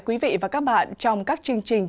quý vị và các bạn trong các chương trình